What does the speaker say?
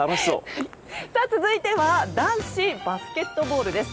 続いては男子バスケットボールです。